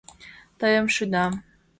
Тыйым шӱда.